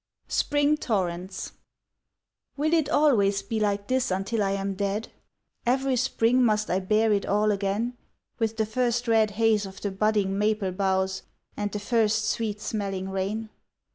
V Spring Torrents Will it always be like this until I am dead, Every spring must I bear it all again With the first red haze of the budding maple boughs, And the first sweet smelling rain?